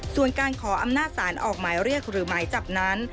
ส่วนการขออำนาจศาลออกหมายเรียกหรือหมายจับนั้น